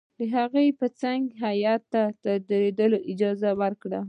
هغوی به څنګه هیات ته د تېرېدلو اجازه ورکړي.